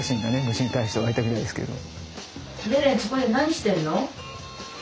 虫に対して湧いたみたいですけど。